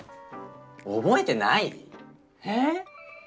覚えてない？え？